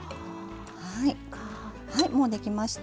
はいもう出来ました。